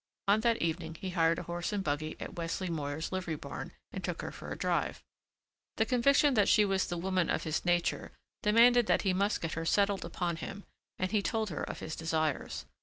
On that evening he hired a horse and buggy at Wesley Moyer's livery barn and took her for a drive. The conviction that she was the woman his nature demanded and that he must get her settled upon him and he told her of his desires.